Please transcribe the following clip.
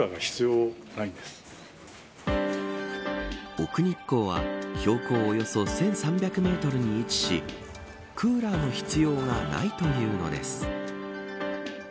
奥日光は標高およそ１３００メートルに位置しクーラーの必要がないというのです。